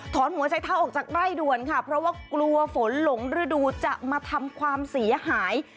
หัวใจเท้าออกจากไร่ด่วนค่ะเพราะว่ากลัวฝนหลงฤดูจะมาทำความเสียหาย